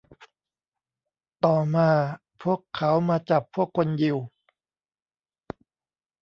ต่อมา พวกเขามาจับพวกคนยิว